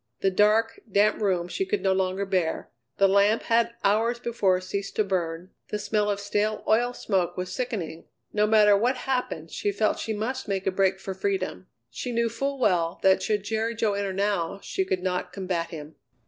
The dark, damp room she could no longer bear; the lamp had hours before ceased to burn; the smell of stale oil smoke was sickening. No matter what happened she felt she must make a break for freedom. She knew full well that should Jerry Jo enter now she could not combat him.